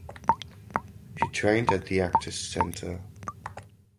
She trained at the Actors Center.